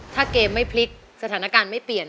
ถ้าเกมไม่พลิกสถานการณ์ไม่เปลี่ยน